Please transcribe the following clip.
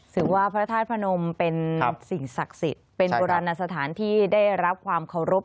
ถือว่าพระธาตุพนมเป็นสิ่งศักดิ์สิทธิ์เป็นโบราณสถานที่ได้รับความเคารพ